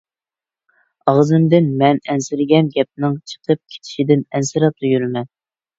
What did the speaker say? ئاغزىمدىن مەن ئەنسىرىگەن گەپنىڭ چىقىپ كېتىشىدىن ئەنسىرەپلا يۈرىمەن.